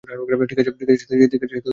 ঠিক আছে স্বাতী, কেমন আছো?